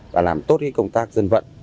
và làm tốt công tác dân vận